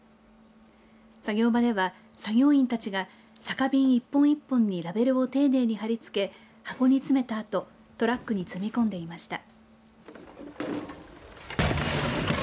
作業場では作業員たちが酒瓶１本１本にラベルを丁寧に貼り付け箱に詰めたあとトラックに積み込んでいました。